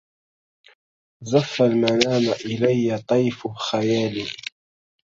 زف المنام إلي طيف خياله